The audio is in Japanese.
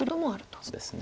そうですね。